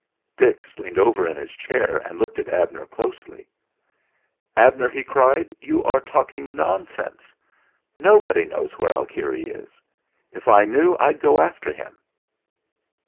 Dix leaned over in his chair and looked at Abner closely. "Abner," he cried, "you are talking nonsense. Nobody knows where Alkire is. If I knew I'd go after him."